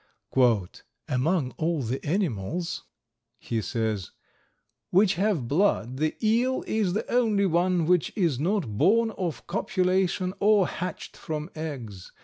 "Among all the animals," he says, "which have blood, the eel is the only one which is not born of copulation or hatched from eggs.